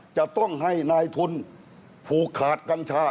จะต้องให้นายทุนผูกขาดกัญชา